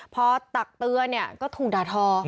พอตะเตือนทุนดาทอ